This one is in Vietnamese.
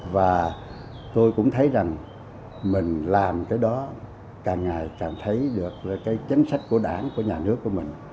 và tôi cũng thấy rằng mình làm cái đó càng ngày càng thấy được cái chính sách của đảng của nhà nước của mình